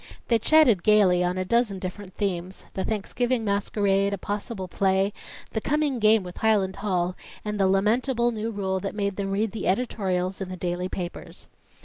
They chatted gaily on a dozen different themes the Thanksgiving masquerade, a possible play, the coming game with Highland Hall, and the lamentable new rule that made them read the editorials in the daily papers.